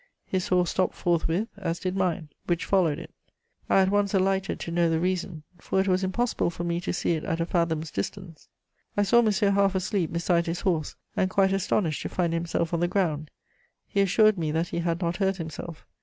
His horse stopped forthwith, as did mine, which followed it. I at once alighted to know the reason, for it was impossible for me to see it at a fathom's distance. I saw Monsieur half asleep beside his horse, and quite astonished to find himself on the ground; he assured me that he had not hurt himself.